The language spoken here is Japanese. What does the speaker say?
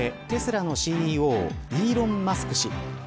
テスラのＣＥＯイーロン・マスク氏。